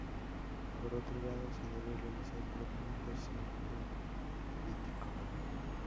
Por otro lado, se debe realizar tratamiento sintomático.